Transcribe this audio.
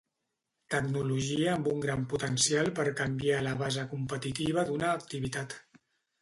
Tecnologia amb un gran potencial per canviar la base competitiva d'una activitat.